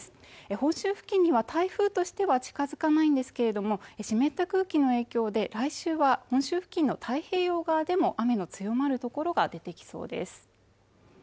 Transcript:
本州付近には台風としては近づかないんですけれども湿った空気の影響で来週は本州付近の太平洋側でも雨の強まる所が出てきそうです